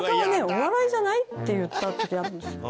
「お笑いじゃない」って言った時あるんですよ。